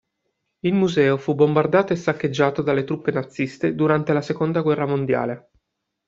Il museo fu bombardato e saccheggiato dalle truppe naziste durante la seconda guerra mondiale.